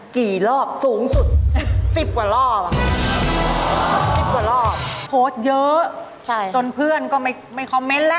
กี่รอบสูงสุดสิบกว่ารอบอ่ะสิบกว่ารอบโพสต์เยอะจนเพื่อนก็ไม่ไม่คอมเมนต์แล้ว